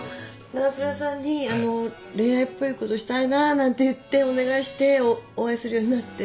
長倉さんにあのう恋愛っぽいことしたいななんて言ってお願いしてお会いするようになって。